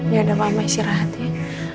yaudah mama isi rahat ya